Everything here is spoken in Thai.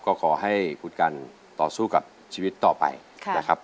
ก็ขอให้คุณกันต่อสู้กับชีวิตต่อไปนะครับ